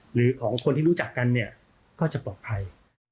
หรือของคนที่รู้จักกันเนี่ยก็จะปลอดภัย